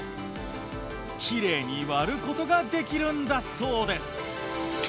きれいに割ることができるんだそうです。